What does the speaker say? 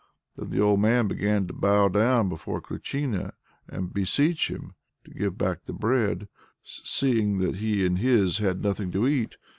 Then the old man began to bow down before Kruchìna and to beseech him to give back the bread, seeing that he and his had nothing to eat.